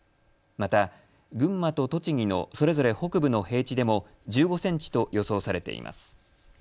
また群馬と栃木のそれぞれ北部の平地でも１５センチと予想されています。